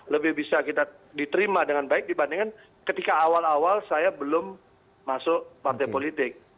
lebih bisa kita diterima dengan baik dibandingkan ketika awal awal saya belum masuk partai politik